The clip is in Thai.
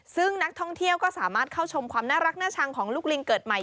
ซึ่งนักท่องเที่ยวก็สามารถเข้าชมความน่ารักน่าชังของลูกลิงเกิดใหม่